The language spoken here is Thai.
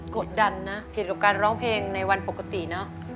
กดดันนะผิดกับการร้องเพลงในวันปกติเนอะ